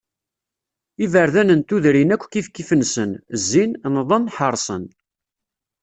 Iberdan n tudrin akk kif kif-nsen, zzin, nnḍen, ḥerṣen.